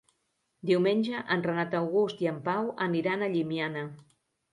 Diumenge en Renat August i en Pau aniran a Llimiana.